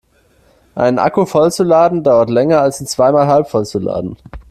Einen Akku voll zu laden dauert länger als ihn zweimal halbvoll zu laden.